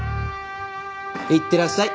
いってらっしゃい。